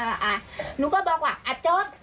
พาเลยเขาบอกว่ามึงจะจบไหม